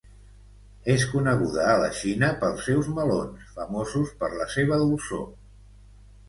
És coneguda a la Xina pels seus melons, famosos per la seva dolçor.